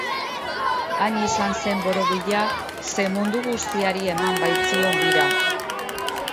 Hain izan zen borobila, ze mundu guztiari eman baitzion bira.